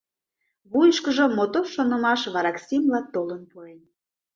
Вуйышкыжо мотор шонымаш вараксимла толын пурен.